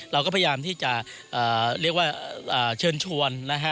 เราก็พยายามที่จะเรียกว่าเชิญชวนนะฮะ